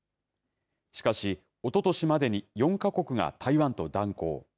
しかし、おととしまでに４か国が台湾と断交。